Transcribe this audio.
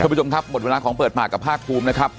ผู้ชมครับหมดเวลาของเปิดปากกับภาคภูมินะครับ